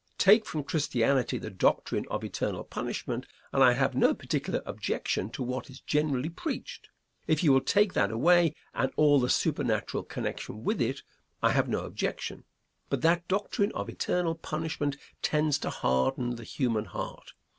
Take from Christianity the doctrine of eternal punishment and I have no particular objection to what is generally preached. If you will take that away, and all the supernatural connected with it, I have no objection; but that doctrine of eternal punishment tends to harden the human heart.